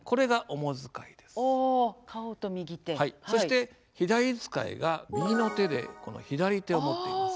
そして左遣いが右の手でこの左手を持っています。